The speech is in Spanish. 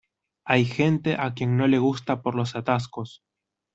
hay a gente a quien no le gusta por los atascos